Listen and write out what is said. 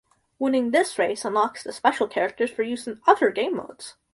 Winning this race unlocks the special characters for use in other game modes.